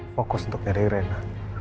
fokus untuk menyerahi rena